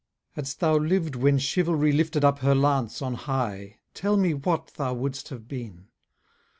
Hadst thou liv'd when chivalry Lifted up her lance on high, Tell me what thou wouldst have been?